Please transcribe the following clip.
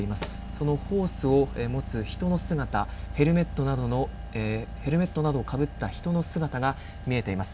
そのホースを持つ人の姿ヘルメットなどをかぶった人の姿が見えています。